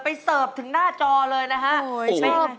เสิร์ฟถึงหน้าจอเลยนะฮะ